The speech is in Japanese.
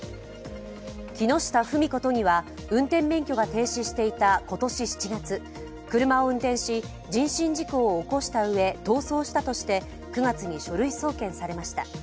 木下富美子都議は運転免許が停止していた今年７月、車を運転し人身事故を起こしたうえ逃走したとして９月に書類送検されました。